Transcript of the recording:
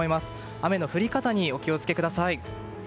雨の降り方にお気を付けください。